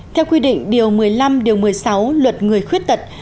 theo quy định điều một mươi năm điều một mươi sáu luật người khuyết tật